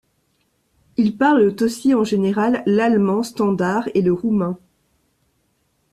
Ils parlent aussi, en général, l'allemand standard et le roumain.